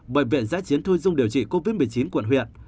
bệnh viện giãi chiến thu dung điều trị covid một mươi chín quận huyện